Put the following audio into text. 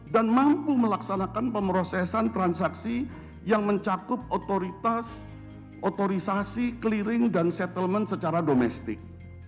dan mampu melaksanakan pemrosesan transaksi yang mencakup otoritas otorisasi clearing dan settlement secara domestik